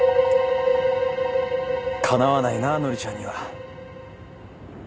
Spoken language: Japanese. かなわないなぁ乃里ちゃんには。